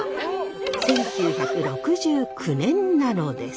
１９６９年なのです。